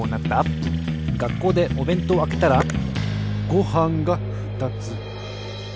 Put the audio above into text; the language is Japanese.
がっこうでおべんとうをあけたらごはんがふたつ。